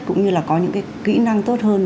cũng như là có những kỹ năng tốt hơn